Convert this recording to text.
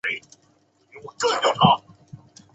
朱伯儒积极学雷锋。